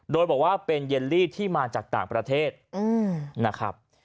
โดยบอกว่าเป็นเยลลี่ที่มาจากต่างประเทศนะครับ